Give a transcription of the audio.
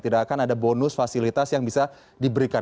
tidak akan ada bonus fasilitas yang bisa diberikan